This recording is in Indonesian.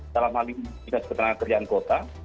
dalam hal lingkup lintas ketenagakerjaan kota